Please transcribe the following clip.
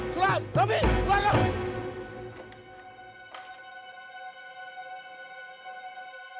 sulam rabi keluar lu